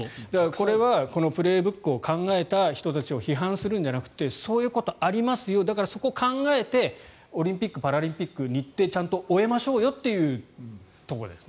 これは「プレーブック」を考えた人を批判するんじゃなくてそういうことがありますよだからそこを考えてオリンピック・パラリンピックの日程をちゃんと終えましょうよというところですね。